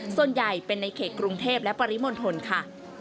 ส่วนใหญ่เป็นในเขตกรุงเทพและปริมณฑลค่ะ